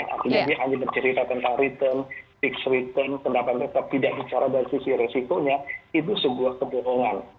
artinya dia hanya bercerita tentang return fixed return kenapa mereka tidak bicara dari sisi resikonya itu sebuah kebohongan